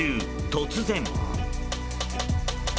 突然。